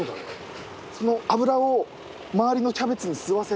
その脂を周りのキャベツに吸わせて。